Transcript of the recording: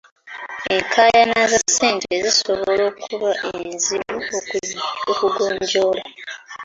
Enkaayana za ssente zisobola okuba enzibu okugonjoola.